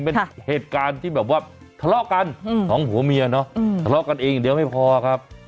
เป็นเหตุการณ์ที่แบบว่าทะเลาะกันของผัวเมียเนาะทะเลาะกันเองอย่างเดียวไม่พอครับ